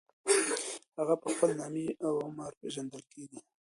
هغه په خپل نامې او عمر پېژندل کېدی.